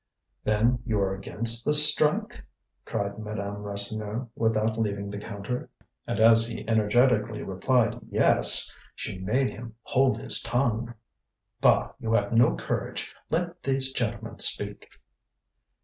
"Then you are against the strike?" cried Madame Rasseneur, without leaving the counter. And as he energetically replied, "Yes!" she made him hold his tongue. "Bah! you have no courage; let these gentlemen speak."